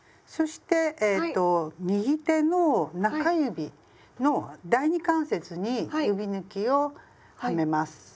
そしてえっと右手の中指の第二関節に指ぬきをはめます。